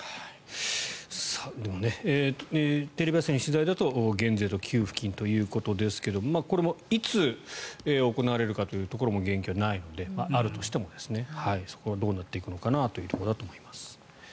でもテレビ朝日の取材だと減税と給付金ということですがこれもいつ行われるかというところも言及がないのであるとしてもそこはどうなっていくのかなというところだと思います。